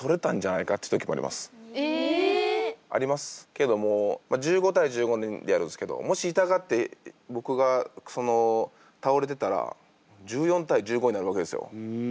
けどもう１５対１５でやるんすけどもし痛がって僕が倒れてたら１４対１５になるわけですよ。